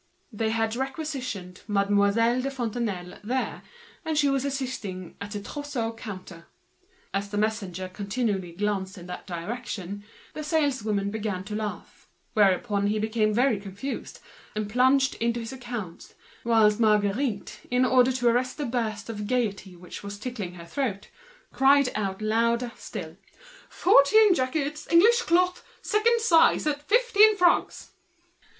They had requisitioned Mademoiselle de Fontenailles there, and she was assisting at the outfitting counter. As the messenger was continually glancing in that direction, the saleswomen began to laugh. He became very confused, and plunged into his accounts; whilst Marguerite, in order to arrest the flood of gaiety which was tickling her throat, cried out louder still: "Fourteen jackets, English cloth, second size, at fifteen francs!"